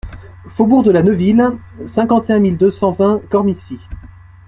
Faubourg de la Neuville, cinquante et un mille deux cent vingt Cormicy